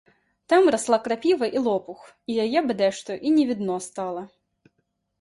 Там расла крапіва і лопух, і яе бадай што і не відно стала.